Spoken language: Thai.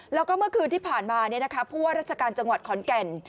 แล้วก็เมื่อคืนที่ผ่านมาผู้ว่าราชการจังหวัดขอนแก่น